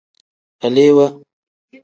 Alewaa.